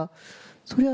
そりゃ